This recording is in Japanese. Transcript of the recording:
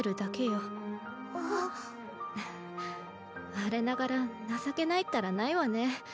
我ながら情けないったらないわね。